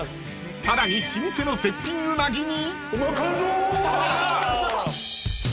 ［さらに老舗の絶品うなぎに］